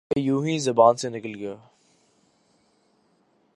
یہ یونہی زبان سے نکل گیا